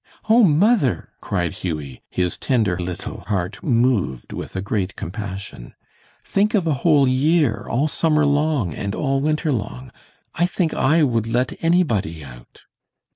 "Oh, mother," cried Hughie, his tender little heart moved with a great compassion, "think of a whole year, all summer long, and all winter long. I think I would let anybody out."